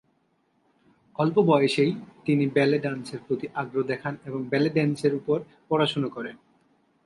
অল্প বয়সেই তিনি ব্যালে-ড্যান্সের প্রতি আগ্রহ দেখান এবং ব্যালে-ড্যান্সের উপর পড়াশুনা করেন।